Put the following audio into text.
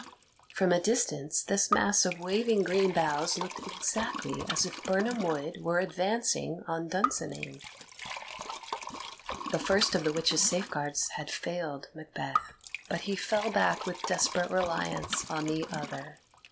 From a distance this mass of waving green boughs looked exactly as if Birnam Wood were advancing on Dunsinane. The first of the witches' safeguards had failed Macbeth, but he fell back with desperate reliance on the other.